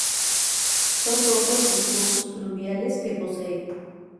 Son pocos los cursos fluviales que posee.